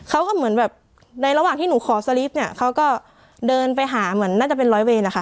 เขาก็เหมือนแบบในระหว่างที่หนูขอสลิปเนี่ยเขาก็เดินไปหาเหมือนน่าจะเป็นร้อยเวรนะคะ